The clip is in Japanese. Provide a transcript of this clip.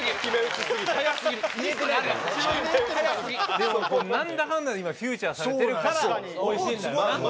でも何だかんだで今フィーチャーされてるからおいしいんだよな？